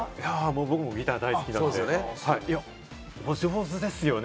僕もギター大好きなんで、いや、上手ですよね。